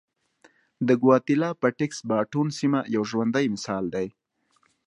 د ګواتیلا پټېکس باټون سیمه یو ژوندی مثال دی.